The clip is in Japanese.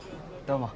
どうも。